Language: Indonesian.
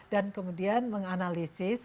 dan kemudian menganalisis